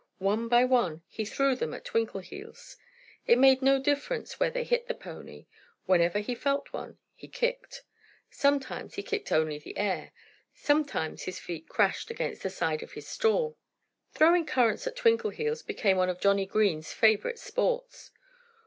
One by one he threw them at Twinkleheels. It made no difference where they hit the pony. Whenever he felt one, he kicked. Sometimes he kicked only the air; sometimes his feet crashed against the side of his stall. Throwing currants at Twinkleheels became one of Johnnie Green's favorite sports.